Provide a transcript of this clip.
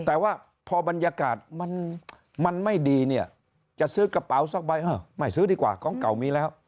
แต่ว่าพอบรรยากาศมันไม่ดีเนี่ยจะซื้อกระเป๋าสักใบไม่ซื้อดีกว่าของเก่ามีแล้ว